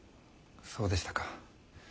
そうでしたか。